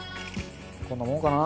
こんなもんかな。